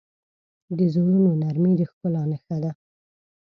د زړونو نرمي د ښکلا نښه ده.